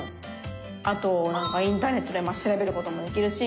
あとインターネットで調べることもできるし。